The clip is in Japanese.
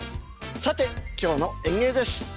さて今日の演芸です。